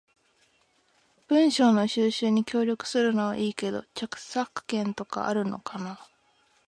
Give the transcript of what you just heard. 文章の収集に協力するのはいいけど、著作権とかあるのかな？